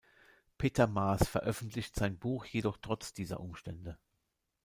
Peter Maas veröffentlicht sein Buch jedoch trotz dieser Umstände.